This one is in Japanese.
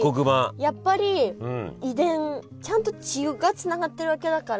やっぱり遺伝ちゃんと血がつながってるわけだから。